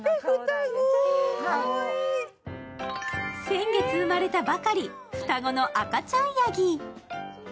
先月生まれたばかり、双子の赤ちゃんやぎ。